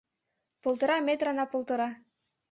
— Полтара метра на полтара.